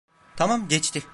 Tamam, geçti.